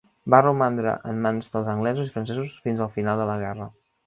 Va romandre en mans dels anglesos i francesos fins al final de la guerra.